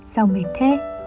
sao mệt thế